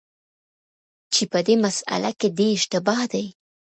چي په دې مسأله کي دی اشتباه دی،